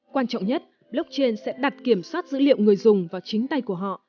quan trọng nhất blockchain sẽ đặt kiểm soát dữ liệu người dùng vào chính tay của họ